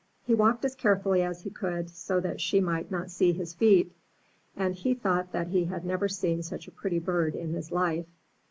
He walked as carefully as he could, that she might not see his feet; and he thought he had never seen such a pretty bird in his life.